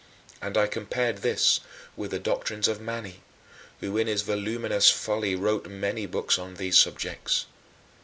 And I compared this with the doctrines of Mani, who in his voluminous folly wrote many books on these subjects.